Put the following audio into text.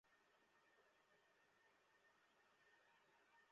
Adams অবশ্য বললেন, impeachable offence কী, সেটা কংগ্রেসই ঠিক করে থাকে।